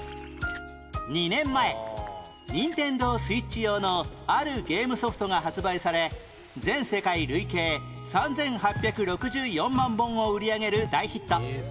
２年前 ＮｉｎｔｅｎｄｏＳｗｉｔｃｈ 用のあるゲームソフトが発売され全世界累計３８６４万本を売り上げる大ヒット